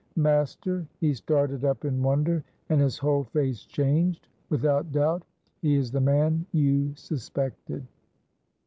Master, he started up in wonder, and his whole face changed; without doubt he is the man you suspected."